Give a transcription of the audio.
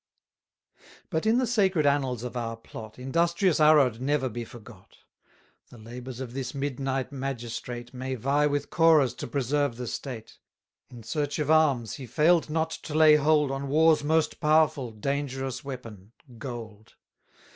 But in the sacred annals of our plot, Industrious Arod never be forgot: The labours of this midnight magistrate, May vie with Corah's to preserve the state. In search of arms, he fail'd not to lay hold On war's most powerful, dangerous weapon gold.